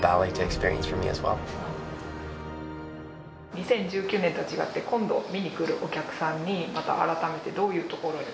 ２０１９年とは違って今度見にくるお客さんにまた改めてどういうところを？